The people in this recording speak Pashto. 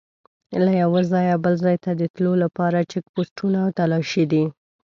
له یوه ځایه بل ځای ته د تلو لپاره چیک پوسټونه او تلاشي دي.